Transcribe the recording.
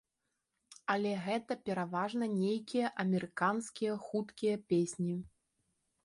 Але гэта пераважна нейкія амерыканскія хуткія песні.